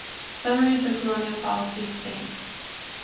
Summary of the Colonial Policy of Spain.